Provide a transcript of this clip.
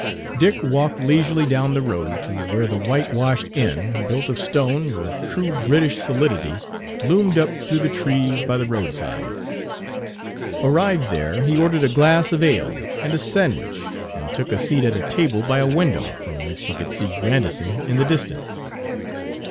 Dick walked leisurely down the road to where the whitewashed inn, built of stone, with true British solidity, loomed up through the trees by the roadside. Arrived there he Page 192 ordered a glass of ale and a sandwich, and took a seat at a table by a window, from which he could see Grandison in the distance.